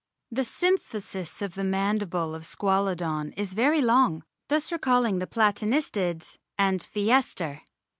The symphysis of the mandible of Squalodon is very long, thus recalling the Platanistids and Physeter.